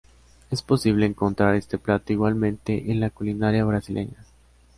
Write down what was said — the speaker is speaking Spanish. Es posible encontrar este plato igualmente en la culinaria brasileña.